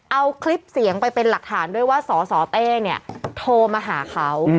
เอาคลิปเสียงไปเป็นหลักฐานด้วยว่าสสเต้เนี่ยโทรมาหาเขา